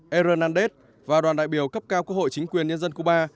ernadez và đoàn đại biểu cấp cao quốc hội chính quyền nhân dân cuba